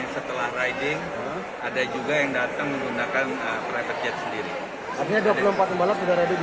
setelah riding ada juga yang datang menggunakan private jet sendiri